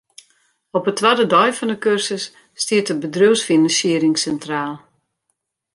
Op 'e twadde dei fan 'e kursus stiet de bedriuwsfinansiering sintraal.